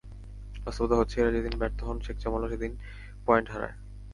বাস্তবতা হচ্ছে, এঁরা যেদিন ব্যর্থ হন, শেখ জামালও সেদিন পয়েন্ট হারায়।